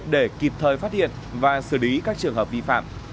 để kịp thời phát hiện và xử lý các trường hợp vi phạm